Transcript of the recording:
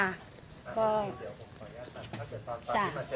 ค่ะเดี๋ยวผมขออนุญาตกันถ้าเกิดตอนตอนที่มาเจอกันแล้วเนี่ยพี่